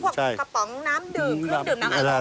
กระป๋องอลูมิเนียมพวกกระป๋องน้ำดื่ม